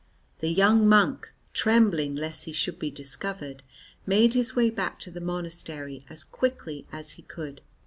The young monk, trembling lest he should be discovered, made his way back to the monastery as quickly as he could.